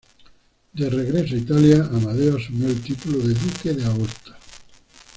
De regreso a Italia, Amadeo asumió el título de Duque de Aosta.